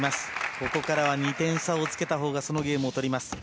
ここからは２点差をつけたほうがそのゲームをとります。